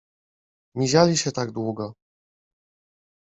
” Miziali się tak długo.